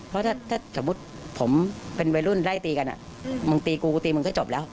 เพราะถ้าสมมุติผมเป็นวัยรุ่นไล่ตีกันมึงตีกูตีมึงก็จบแล้ว